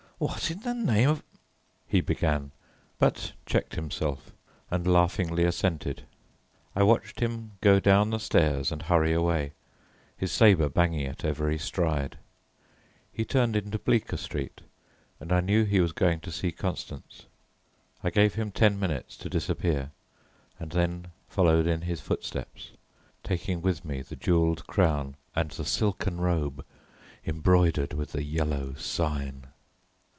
"What in the name of " he began, but checked himself and laughingly assented. I watched him go down the stairs and hurry away, his sabre banging at every stride. He turned into Bleecker Street, and I knew he was going to see Constance. I gave him ten minutes to disappear and then followed in his footsteps, taking with me the jewelled crown and the silken robe embroidered with the Yellow Sign.